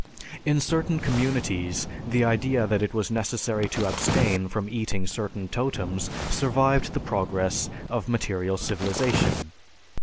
In certain communities the idea that it was necessary to abstain from eating certain totems survived the progress of material civilization.